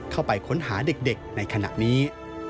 เข้าไปค้นหาเด็กในขณะนี้